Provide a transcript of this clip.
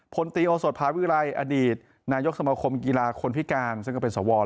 ผลติโอศดพาวิรัยอดีตนายกสมกิจกรคนพิการซึ่งเป็นสอวร